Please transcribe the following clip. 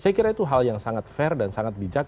saya kira itu hal yang sangat fair dan sangat bijak